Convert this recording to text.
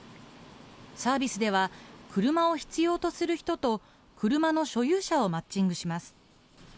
サービスでは、車を必要とする人と車の所有者をマッチングします。